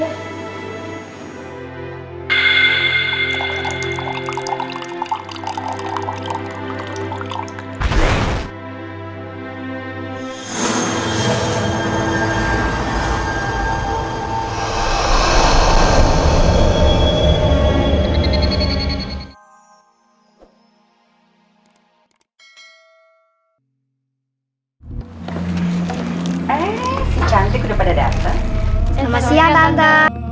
selamat siang tanda